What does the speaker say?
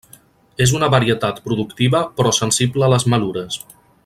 És una varietat productiva però sensible a les malures.